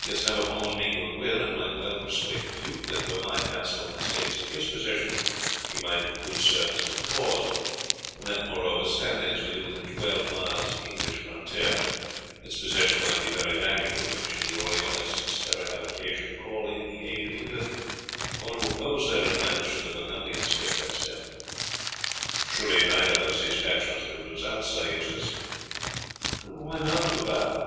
He has never borne me good will, and might well persuade the duke that were my castle and estates in his possession he might do good service to the cause; and that, moreover, standing as we do within twelve miles of the English frontier, its possession might be very valuable to him should the Orleanists ever have occasion to call in the aid of England, or to oppose their advance should the Burgundians take that step." "Surely neither of these factions will do that, Sir Eustace." "Why not, Bouvard?